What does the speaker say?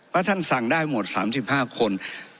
ท่านสั่งได้หมด๓๕คน